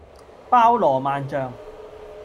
包羅萬象